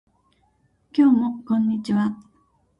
今日もこんにちは